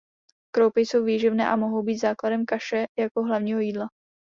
Kroupy jsou výživné a mohou být základem kaše jako hlavního jídla.